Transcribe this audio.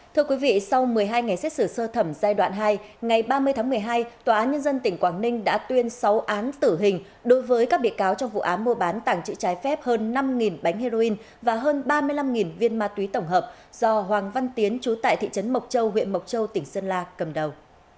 thưa quý vị sau một mươi hai ngày xét xử sơ thẩm giai đoạn hai ngày ba mươi tháng một mươi hai tòa án nhân dân tỉnh quảng ninh đã tuyên sáu án tử hình đối với các bị cáo trong vụ án mua bán tàng trự trái phép hơn năm bánh heroin và hơn ba mươi năm viên ma túy tổng hợp do hoàng văn tiến chú tại thị trấn mộc châu huyện mộc châu tỉnh sơn la cầm đầu